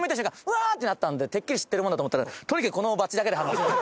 「わぁ」ってなったんでてっきり知ってるもんだと思ったらとにかくこのバッジだけで。